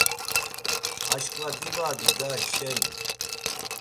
“Aşǩva dibadi da hişeni.”